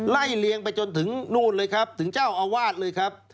เลียงไปจนถึงนู่นเลยครับถึงเจ้าอาวาสเลยครับ